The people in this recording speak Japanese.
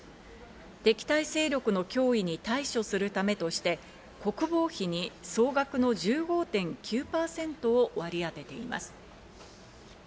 敵対勢力の脅威に対処するためとして、国防費に総額の１５．９％を割り当てています。